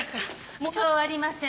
必要ありません。